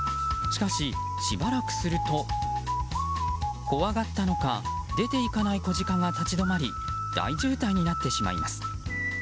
しかし、しばらくすると怖がったのか、出て行かない子ジカが立ち止まり大渋滞になってしまいます。